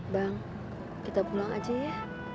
bang kita pulang aja ya